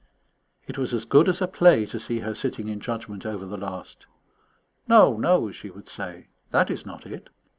It was as good as a play to see her sitting in judgment over the last. "No, no," she would say, "that is not it.